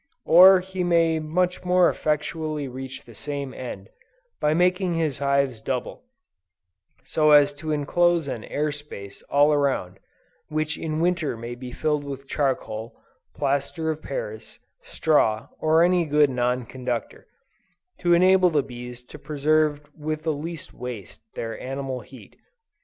Or he may much more effectually reach the same end, by making his hives double, so as to enclose an air space all around, which in Winter may be filled with charcoal, plaster of Paris, straw, or any good non conductor, to enable the bees to preserve with the least waste, their animal heat.